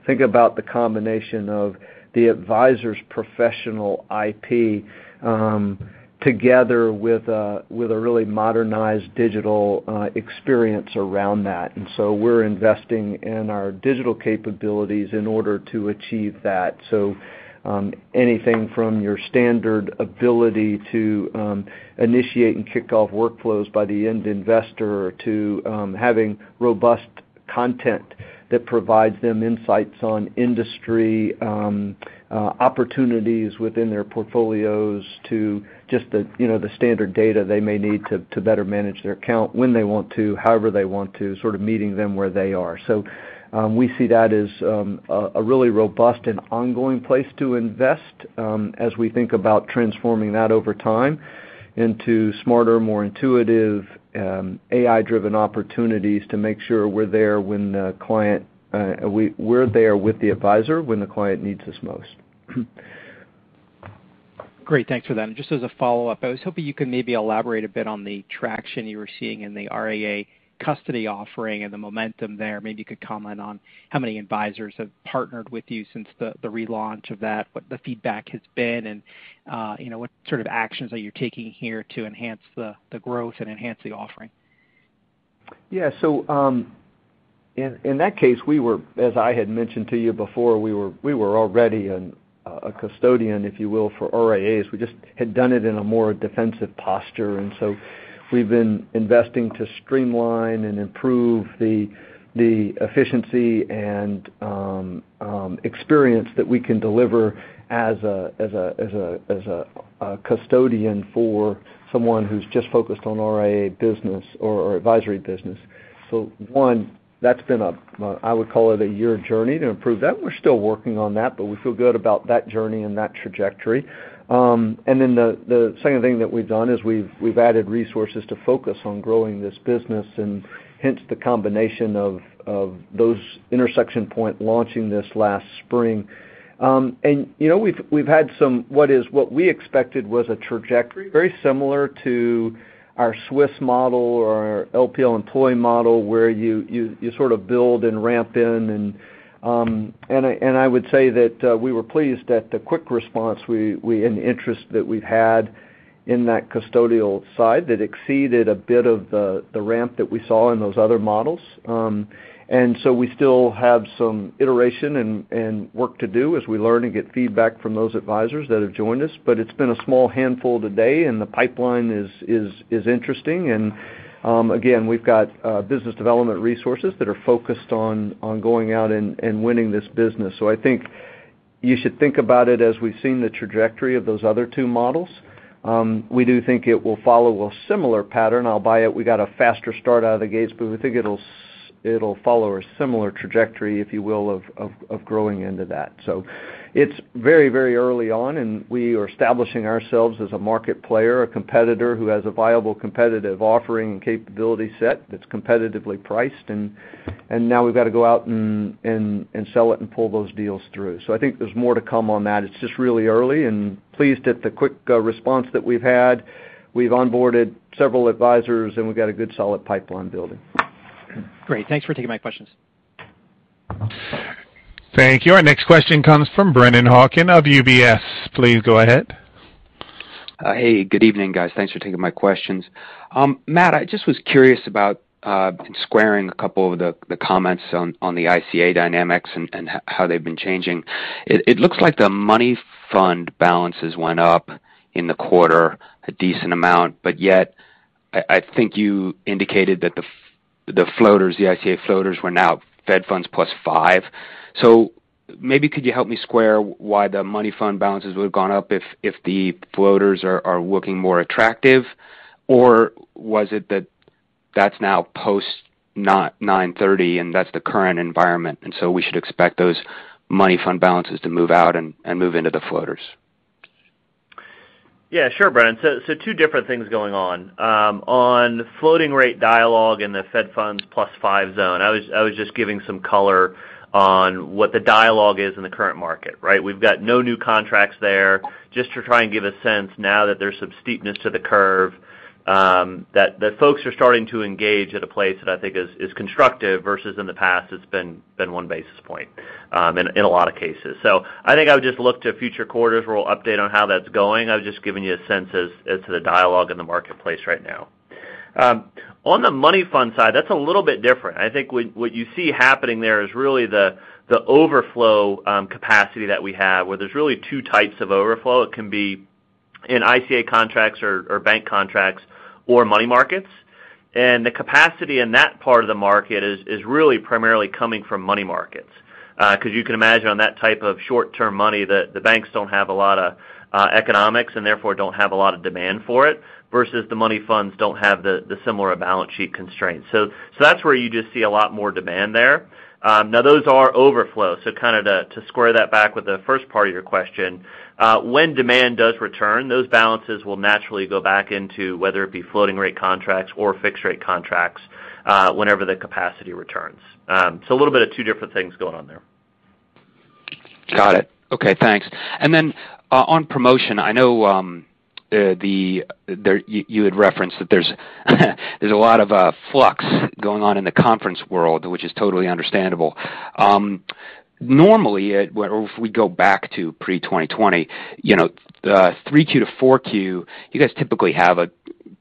Think about the combination of the advisor's professional IP together with a really modernized digital experience around that. We're investing in our digital capabilities in order to achieve that. Anything from your standard ability to initiate and kick off workflows by the end investor to having robust content that provides them insights on industry opportunities within their portfolios to just the, you know, the standard data they may need to better manage their account when they want to, however they want to, sort of meeting them where they are. We see that as a really robust and ongoing place to invest as we think about transforming that over time into smarter, more intuitive AI-driven opportunities to make sure we're there when the client needs us most.
Great. Thanks for that. Just as a follow-up, I was hoping you could maybe elaborate a bit on the traction you were seeing in the RIA custody offering and the momentum there. Maybe you could comment on how many advisors have partnered with you since the relaunch of that, what the feedback has been, and you know, what sort of actions are you taking here to enhance the growth and enhance the offering?
In that case, we were, as I had mentioned to you before, already a custodian, if you will, for RIAs. We just had done it in a more defensive posture. We've been investing to streamline and improve the efficiency and experience that we can deliver as a custodian for someone who's just focused on RIA business or advisory business. One, that's been a year journey to improve that. I would call it a year journey to improve that. We're still working on that, but we feel good about that journey and that trajectory. The second thing that we've done is we've added resources to focus on growing this business, and hence the combination of those intersection point launching this last spring. You know, we've had somewhat what we expected was a trajectory very similar to our SWS model or our LPL employee model, where you sort of build and ramp in, and I would say that we were pleased at the quick response and interest that we've had in that custodial side that exceeded a bit of the ramp that we saw in those other models. So we still have some iteration and work to do as we learn and get feedback from those advisors that have joined us. It's been a small handful today, and the pipeline is interesting. Again, we've got business development resources that are focused on going out and winning this business. I think you should think about it as we've seen the trajectory of those other two models. We do think it will follow a similar pattern. Albeit we got a faster start out of the gates, but we think it'll follow a similar trajectory, if you will, of growing into that. It's very, very early on, and we are establishing ourselves as a market player, a competitor who has a viable competitive offering and capability set that's competitively priced. Now we've got to go out and sell it and pull those deals through. I think there's more to come on that. It's just really early, and we're pleased at the quick response that we've had. We've onboarded several advisors, and we've got a good solid pipeline building.
Great. Thanks for taking my questions.
Thank you. Our next question comes from Brennan Hawken of UBS. Please go ahead.
Hey, good evening, guys. Thanks for taking my questions. Matt, I just was curious about squaring a couple of the comments on the ICA dynamics and how they've been changing. It looks like the money fund balances went up in the quarter a decent amount, but yet I think you indicated that the floaters, the ICA floaters were now Fed Funds plus five. So maybe could you help me square why the money fund balances would have gone up if the floaters are looking more attractive? Or was it that that's now post 9/30, and that's the current environment, and so we should expect those money fund balances to move out and move into the floaters?
Yeah, sure, Brennan. Two different things going on. On floating rate dialogue in the Fed Funds plus five zone, I was just giving some color on what the dialogue is in the current market, right? We've got no new contracts there. Just to try and give a sense now that there's some steepness to the curve, that folks are starting to engage at a place that I think is constructive versus in the past, it's been one basis point, in a lot of cases. I think I would just look to future quarters where we'll update on how that's going. I was just giving you a sense as to the dialogue in the marketplace right now. On the money fund side, that's a little bit different. I think what you see happening there is really the overflow capacity that we have, where there's really two types of overflow. It can be in ICA contracts or bank contracts or money markets. The capacity in that part of the market is really primarily coming from money markets. 'Cause you can imagine on that type of short-term money that the banks don't have a lot of economics and therefore don't have a lot of demand for it, versus the money funds don't have the similar balance sheet constraints. That's where you just see a lot more demand there. Now those are overflow. Kind of to square that back with the first part of your question, when demand does return, those balances will naturally go back into whether it be floating rate contracts or fixed rate contracts, whenever the capacity returns. A little bit of two different things going on there.
Got it. Okay, thanks. Then on promotion, I know, you had referenced that there's a lot of flux going on in the conference world, which is totally understandable. Normally, if we go back to pre-2020, you know, Q3 to Q4, you guys typically have a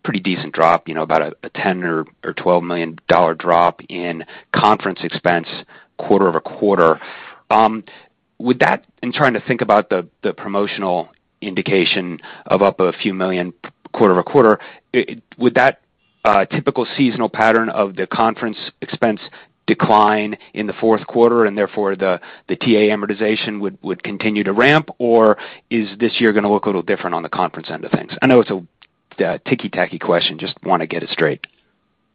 pretty decent drop, you know, about a $10 million or $12 million drop in conference expense quarter-over-quarter. Would that. I'm trying to think about the promotional indication of up $a few million quarter-over-quarter. Would that typical seasonal pattern of the conference expense decline in the Q4 and therefore the TA amortization would continue to ramp, or is this year gonna look a little different on the conference end of things? I know it's a ticky-tacky question. Just wanna get it straight.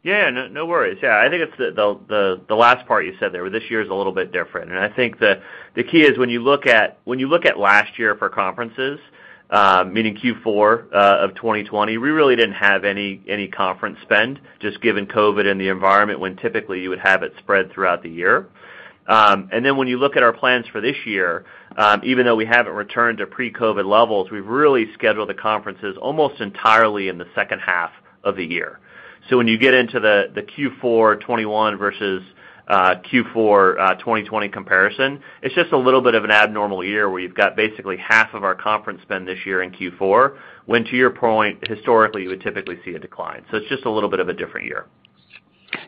Yeah, no worries. Yeah, I think it's the last part you said there, this year is a little bit different. I think the key is when you look at last year for conferences, meaning Q4 of 2020, we really didn't have any conference spend just given COVID and the environment when typically you would have it spread throughout the year. When you look at our plans for this year, even though we haven't returned to pre-COVID levels, we've really scheduled the conferences almost entirely in the second half of the year. When you get into the Q4 2021 versus Q4, 2020 comparison. It's just a little bit of an abnormal year where you've got basically half of our conference spend this year in Q4, when to your point, historically, you would typically see a decline. It's just a little bit of a different year.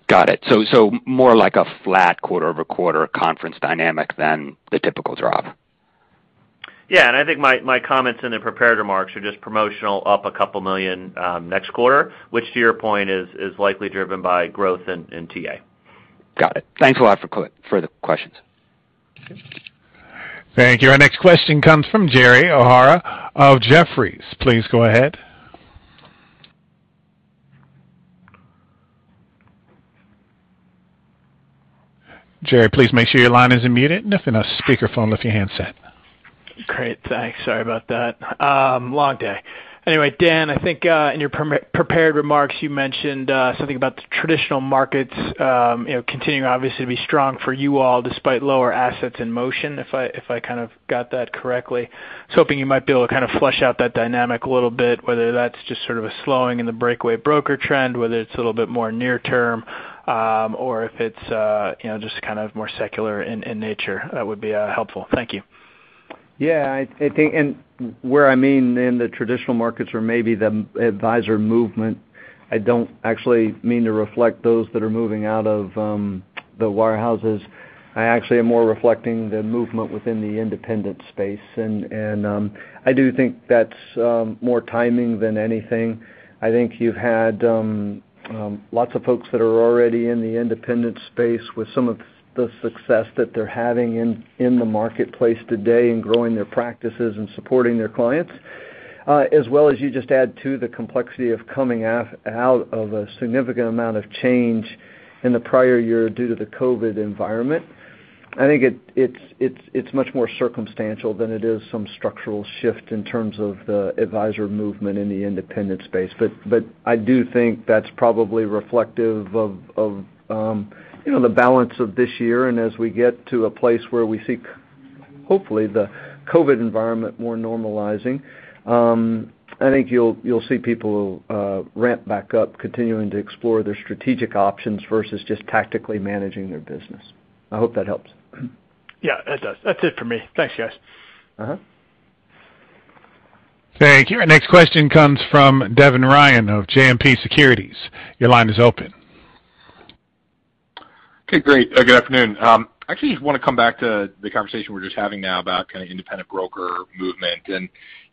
Got it. More like a flat quarter-over-quarter conference dynamic than the typical drop.
Yeah. I think my comments in the prepared remarks are just promotional up $2 million next quarter, which to your point is likely driven by growth in TA.
Got it. Thanks a lot for further questions.
Thank you. Our next question comes from Gerald O'Hara of Jefferies. Please go ahead. Jerry, please make sure your line isn't muted and if in a speaker phone, lift your handset.
Great. Thanks. Sorry about that. Long day. Anyway, Dan, I think, in your prepared remarks, you mentioned, something about the traditional markets, you know, continuing obviously to be strong for you all despite lower assets in motion, if I kind of got that correctly. I was hoping you might be able to kind of flesh out that dynamic a little bit, whether that's just sort of a slowing in the breakaway broker trend, whether it's a little bit more near term, or if it's, you know, just kind of more secular in nature. That would be helpful. Thank you.
Yeah, I think where I mean in the traditional markets or maybe the advisor movement, I don't actually mean to reflect those that are moving out of the wirehouses. I actually am more reflecting the movement within the independent space. I do think that's more timing than anything. I think you've had lots of folks that are already in the independent space with some of the success that they're having in the marketplace today in growing their practices and supporting their clients. As well as you just add to the complexity of coming out of a significant amount of change in the prior year due to the COVID environment. I think it's much more circumstantial than it is some structural shift in terms of the advisor movement in the independent space. I do think that's probably reflective of you know the balance of this year. As we get to a place where we see, hopefully, the COVID environment more normalizing, I think you'll see people ramp back up continuing to explore their strategic options versus just tactically managing their business. I hope that helps.
Yeah, it does. That's it for me. Thanks, guys.
Uh-huh.
Thank you. Our next question comes from Devin Ryan of JMP Securities. Your line is open.
Okay, great. Good afternoon. Actually just wanna come back to the conversation we're just having now about kind of independent broker movement. You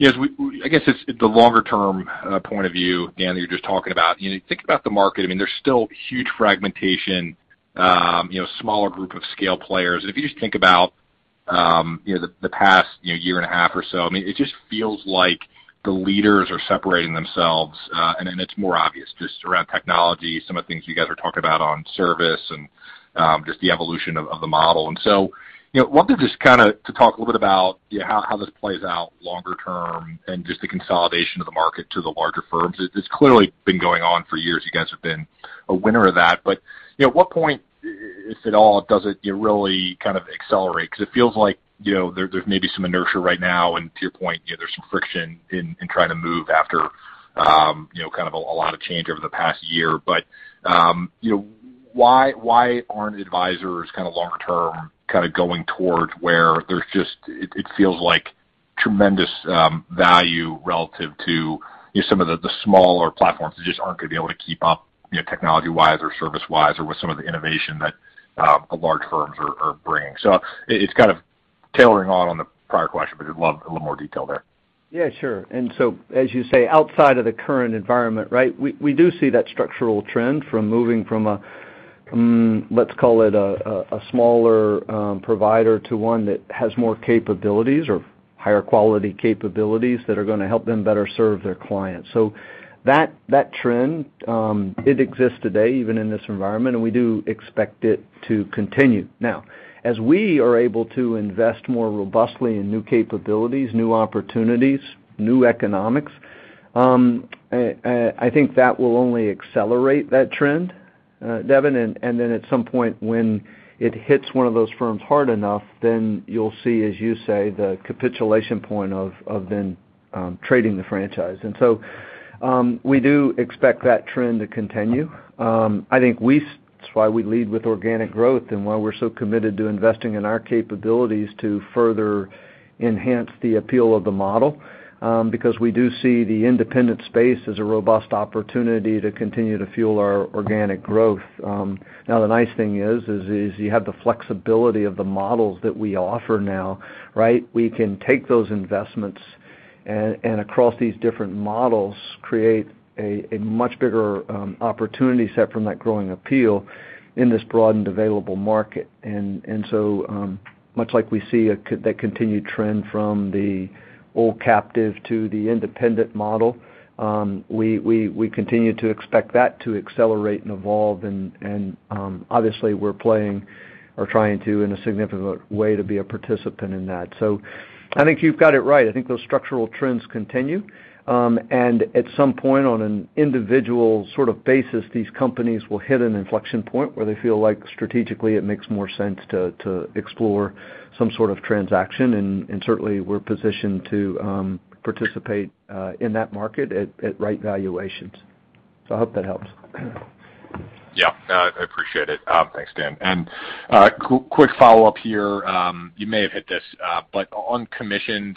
know, I guess it's the longer-term point of view, Dan, that you're just talking about. You know, think about the market, I mean, there's still huge fragmentation, you know, smaller group of scale players. If you just think about, you know, the past, you know, year and a half or so, I mean, it just feels like the leaders are separating themselves, and then it's more obvious just around technology, some of the things you guys are talking about on service and, just the evolution of the model. You know, wanted to just kinda to talk a little bit about, you know, how this plays out longer-term and just the consolidation of the market to the larger firms. It's clearly been going on for years. You guys have been a winner of that. You know, at what point, if at all, does it, you know, really kind of accelerate? 'Cause it feels like, you know, there's maybe some inertia right now, and to your point, you know, there's some friction in in trying to move after, you know, kind of a a lot of change over the past year. You know, why aren't advisors kind of longer-term, kind of going towards where there's just. It feels like tremendous value relative to, you know, some of the smaller platforms that just aren't gonna be able to keep up, you know, technology-wise or service-wise or with some of the innovation that large firms are bringing. It's kind of building on the prior question, but just love a little more detail there.
Yeah, sure. As you say, outside of the current environment, right, we do see that structural trend from moving from a smaller provider to one that has more capabilities or higher-quality capabilities that are gonna help them better serve their clients. That trend exists today, even in this environment, and we do expect it to continue. Now, as we are able to invest more robustly in new capabilities, new opportunities, new economics, I think that will only accelerate that trend, Devin. Then at some point, when it hits one of those firms hard enough, then you'll see, as you say, the capitulation point of them trading the franchise. We do expect that trend to continue. That's why we lead with organic growth and why we're so committed to investing in our capabilities to further enhance the appeal of the model, because we do see the independent space as a robust opportunity to continue to fuel our organic growth. Now the nice thing is you have the flexibility of the models that we offer now, right? We can take those investments and across these different models, create a much bigger opportunity set from that growing appeal in this broadened available market. Much like we see that continued trend from the old captive to the independent model, we continue to expect that to accelerate and evolve, and obviously we're playing or trying to in a significant way to be a participant in that. I think you've got it right. I think those structural trends continue. At some point on an individual sort of basis, these companies will hit an inflection point where they feel like strategically it makes more sense to explore some sort of transaction. Certainly we're positioned to participate in that market at right valuations. I hope that helps.
Yeah, I appreciate it. Thanks, Dan. Quick follow-up here. You may have hit this, but on commissions,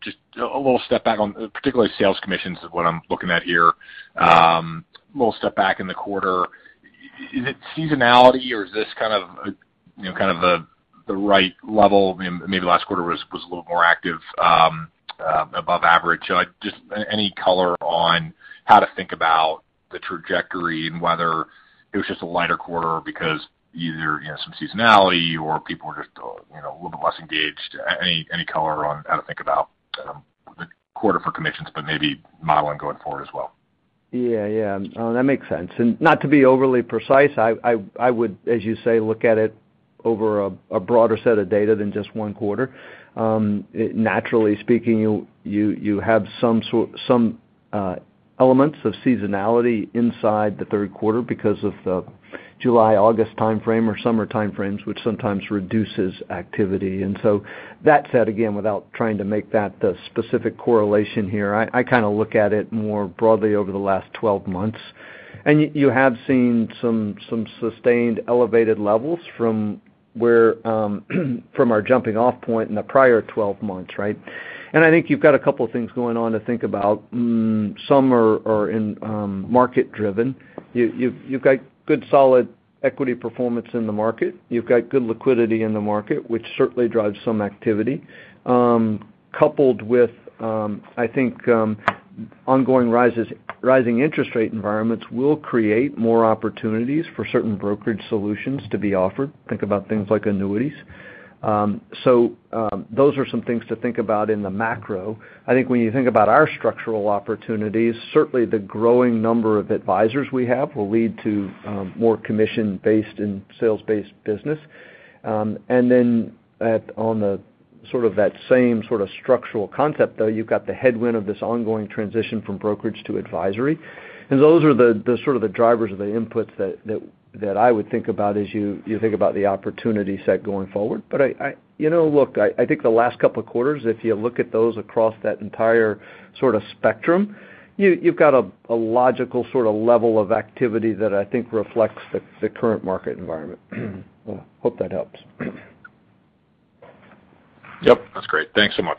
just a little step back on particularly sales commissions is what I'm looking at here. A little step back in the quarter. Is it seasonality or is this kind of, you know, the right level? Maybe last quarter was a little more active, above average. Just any color on how to think about the trajectory and whether it was just a lighter quarter because either, you know, some seasonality or people were just, you know, a little bit less engaged. Any color on how to think about the quarter for commissions, but maybe modeling going forward as well.
Yeah, yeah, that makes sense. Not to be overly precise, I would, as you say, look at it over a broader set of data than just one quarter. Naturally speaking, you have some elements of seasonality inside the Q3 because of the July-August time frame or summer time frames, which sometimes reduces activity. That said, again, without trying to make that the specific correlation here, I kind of look at it more broadly over the last 12 months. You have seen some sustained elevated levels from our jumping off point in the prior 12 months, right? I think you've got a couple of things going on to think about. Some are market-driven. You've got good solid equity performance in the market. You've got good liquidity in the market, which certainly drives some activity, coupled with, I think, rising interest rate environments will create more opportunities for certain brokerage solutions to be offered. Think about things like annuities. Those are some things to think about in the macro. I think when you think about our structural opportunities, certainly the growing number of advisors we have will lead to more commission-based and sales-based business. Then on the sort of that same sort of structural concept, though, you've got the headwind of this ongoing transition from brokerage to advisory. Those are the sort of drivers of the inputs that I would think about as you think about the opportunity set going forward. I, you know, look, I think the last couple of quarters, if you look at those across that entire sort of spectrum, you've got a logical sort of level of activity that I think reflects the current market environment. Hope that helps.
Yep, that's great. Thanks so much.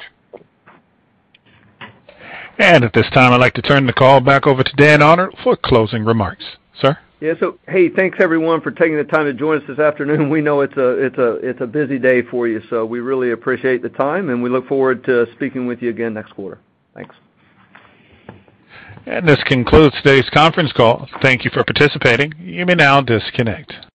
At this time, I'd like to turn the call back over to Dan Arnold for closing remarks. Sir?
Yeah, hey, thanks everyone for taking the time to join us this afternoon. We know it's a busy day for you, so we really appreciate the time, and we look forward to speaking with you again next quarter. Thanks.
This concludes today's Conference Call. Thank you for participating. You may now disconnect.